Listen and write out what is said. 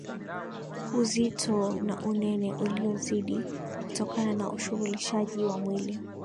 uzito na unene uliyozidi Kutokana na ushughulishaji wa mwili